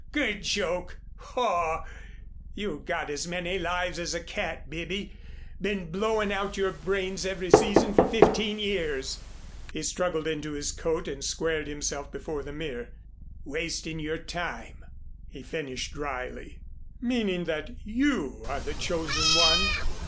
Good joke. Haw! You've got as many lives as a cat, Bibby. Been blowing out your brains every season for fifteen years." He struggled into his coat and squared himself before the mirror. "Wasting your time," he finished dryly. "Meaning that you are the chosen one?